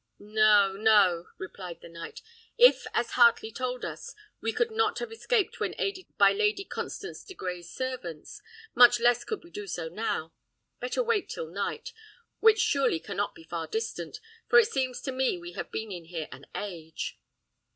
"No, no!" replied the knight. "If, as Heartley told us, we could not have escaped when aided by Lady Constance de Grey's servants, much less could we do so now. Better wait till night, which surely cannot be far distant, for it seems to me we have been here an age."